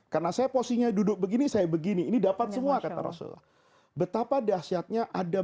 karena saya posisinya duduk begini saya begini ini dapat semua kata rasulullah betapa dahsyatnya ada